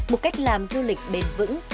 một cách làm du lịch bền vững